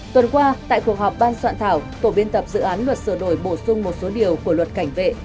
tuần qua tại cuộc họp ban soạn thảo tổ biên tập dự án luật sửa đổi bổ sung một số điều của luật cảnh vệ